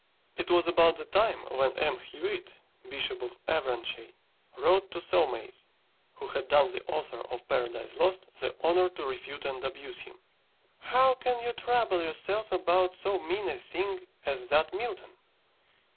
It was about the time when M. Huet, Bishop of Avranches, wrote to Saumaise, who had done the author of "Paradise Lost" the honour to refute and abuse him, "_How can you trouble yourself about so mean a thing as that Milton?